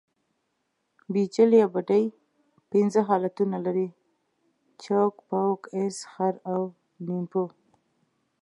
بیجل یا بډۍ پنځه حالتونه لري؛ چوک، پوک، اس، خر او نیمپو.